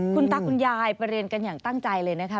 คุณตาคุณยายไปเรียนกันอย่างตั้งใจเลยนะคะ